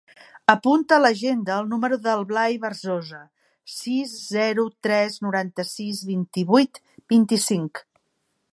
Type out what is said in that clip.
Apunta a l'agenda el número del Blai Berzosa: sis, zero, tres, noranta-sis, vint-i-vuit, vint-i-cinc.